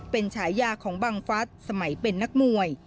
เป็นฉายาของบังฟัสสมัยเป็นนักมวย